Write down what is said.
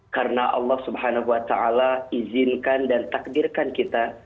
karena allah subhanahu wa ta'ala izinkan dan takdirkan kita